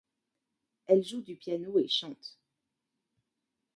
Elle joue du piano et chante.